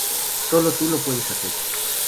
Solo tú lo puedes hacer.